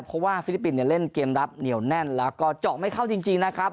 เพราะว่าฟิลิปปินส์เนี่ยเล่นเกมรับเหนียวแน่นแล้วก็เจาะไม่เข้าจริงนะครับ